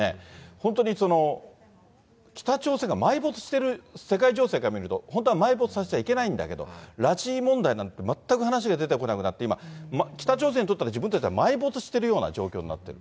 本当に北朝鮮が埋没してる、世界情勢から見ると本当は埋没させちゃいけないんだけど、拉致問題なんて、全く話が出てこなくなって、北朝鮮にとったら、自分たちは埋没しているような状況になってる。